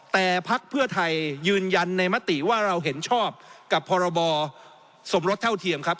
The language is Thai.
แต่พักเพื่อไทยยืนยันในมติว่าเราเห็นชอบกับพรบสมรสเท่าเทียมครับ